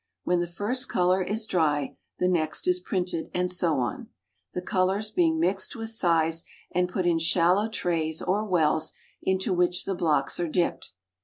When the first colour is dry the next is printed, and so on; the colours being mixed with size and put in shallow trays or wells, into which the blocks are dipped.